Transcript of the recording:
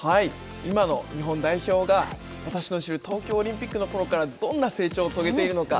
今の日本代表が私の知る東京オリンピックのころから、どんな成長を遂げているのか。